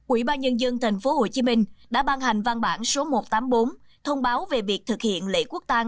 ủy ban nhân dân tp hcm đã ban hành văn bản số một trăm tám mươi bốn thông báo về việc thực hiện lễ quốc tàng